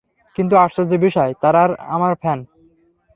কিন্তু আশ্চর্যের বিষয় তারার আমার ফ্যান!